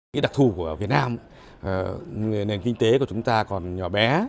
cái đặc thù của việt nam nền kinh tế của chúng ta còn nhỏ bé